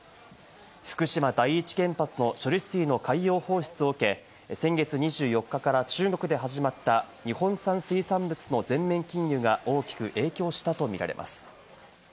福島第一原発の処理水の海洋放出を受け、先月２４日から中国で始まった日本産水産物の全面禁輸が大きく影響したとみられます。